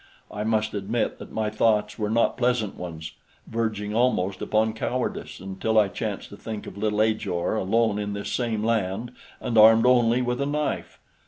I must admit that my thoughts were not pleasant ones, verging almost upon cowardice, until I chanced to think of little Ajor alone in this same land and armed only with a knife!